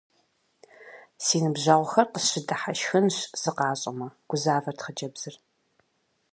Си ныбжьэгъухэр къысщыдыхьэшхынщ, сыкъащӀэмэ, - гузавэрт хъыджэбзыр.